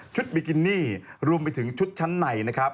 บิกินี่รวมไปถึงชุดชั้นในนะครับ